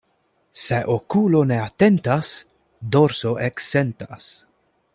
Se okulo ne atentas, dorso eksentas.